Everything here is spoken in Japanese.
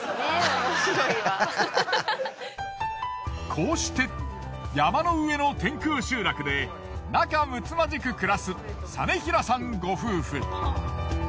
こうして山の上の天空集落で仲むつまじく暮らす實平さんご夫婦。